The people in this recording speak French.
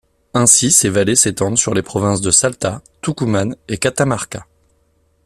Ainsi ces vallées s'étendent sur les provinces de Salta, Tucumán et Catamarca.